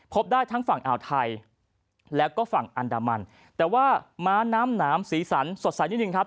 ได้ทั้งฝั่งอ่าวไทยแล้วก็ฝั่งอันดามันแต่ว่าม้าน้ำหนามสีสันสดใสนิดนึงครับ